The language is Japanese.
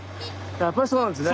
やっぱりそうなんですね。